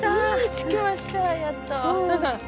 着きましたやっと。